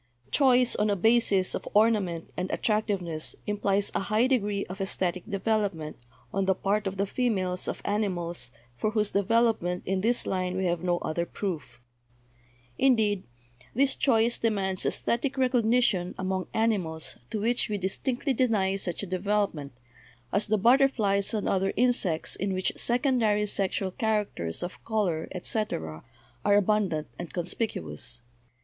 "Choice on a basis of ornament and attractiveness im plies a high degree of esthetic development on the part of the females of animals for whose development in this line we have no (other) proof. Indeed, this choice de mands esthetic recognition among animals to which we SEXUAL SELECTION 219 distinctly deny such a development, as the butterflies and other insects in which secondary sexual characters of color, etc., are abundant and conspicuous.